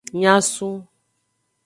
Nyasun.